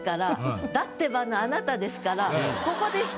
「だってば」のあなたですから。